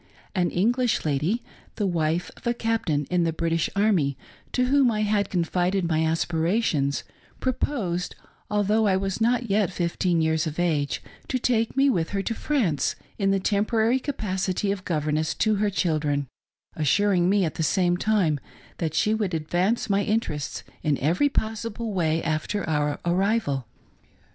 An English lady, the wife of a captain in the British army, to whom I had confided my aspirations, proposed — although I was not yet fifteen years of age — to take me with her to France, in the temporary capacity of governess to her chil dren, assuring me at the same time that she would advance my interests in every possible way after our arrival.